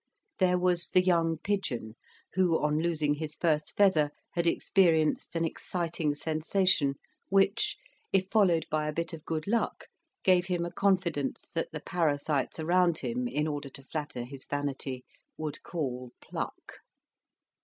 There was the young pigeon, who, on losing his first feather, had experienced an exciting sensation which, if followed by a bit of good luck, gave him a confidence that the parasites around him, in order to flatter his vanity, would call pluck.